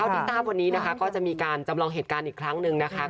ที่ทราบวันนี้นะคะก็จะมีการจำลองเหตุการณ์อีกครั้งหนึ่งนะคะ